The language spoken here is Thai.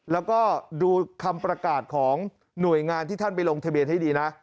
แล้วก็ดูคำประกาศของหน่วยงานที่ท่านไปลงทะเบียนให้ดีนะ